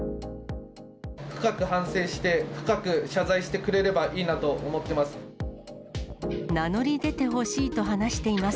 深く反省して、深く謝罪してくれればいいなと思ってます。